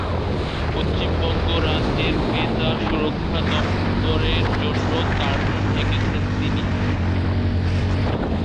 পশ্চিমবঙ্গ রাজ্যের ক্রেতা সুরক্ষা দফতরের জন্য কার্টুন এঁকেছেন তিনি।